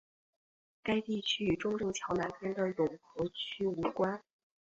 该地区与中正桥南边的永和区无关。